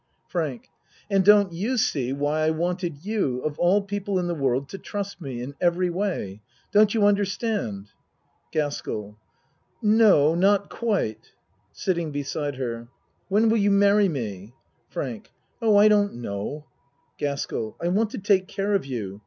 FRANK And don't you see why I wanted you of all people in the world to trust me in every way? Don't you understand? GASKELL No, not quite. (Sitting beside her.) When will you marry me? FRANK Oh, I don't know. GASKELL I want to take care of you.